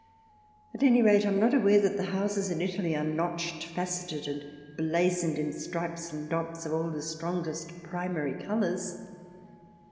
At any rate, I am not aware that houses in Italy are notched, faceted, and blazoned in stripes and dots in all the strongest primary colours.